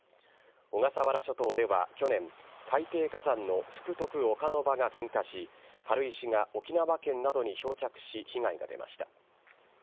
小笠原諸島では去年、海底火山の福徳岡ノ場が噴火し、軽石が沖縄県などに漂着し、被害が出ました。